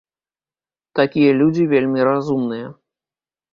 Такія людзі вельмі разумныя.